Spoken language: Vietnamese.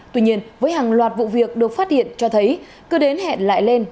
tuy nhiên với hàng loạt vụ việc được phát hiện cho thấy cứ đến hẹn lại lên